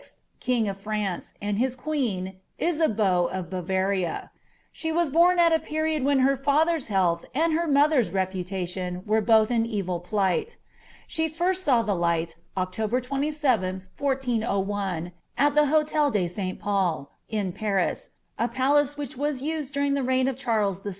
king of France, and his queen, Isabeau of Bavaria ; she was bom at a period when her father's health and her mother's reputation were both in evil plight She first saw the light, Oct 27, 1401, at the H6tel de St Paul,' in Paris, a palace which was used during the reign of Charles VI.